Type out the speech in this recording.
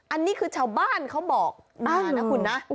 อันนี้คือชาวบ้านเขาบอกมานะคุณนะ